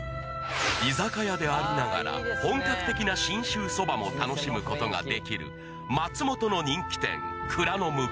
居酒屋でありながら本格的な信州そばも楽しむことができる松本の人気店